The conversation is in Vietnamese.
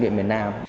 điện miền nam